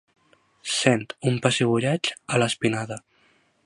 Sent un pessigolleig a l'espinada.